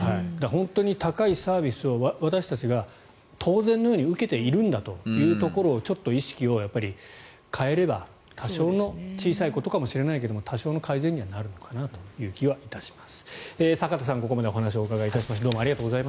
本当に高いサービスを私たちが当然のように受けているんだということをちょっと意識を変えれば小さいことかもしれないけど多少の改善にはなるのかなという気はいたします。